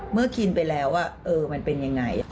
เมื่อกินไปแล้วเออมันเป็นยังไง